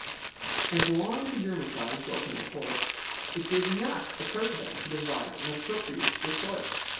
As long as the German tribes dwelt in their forests, it did not occur to them to divide and appropriate the soil.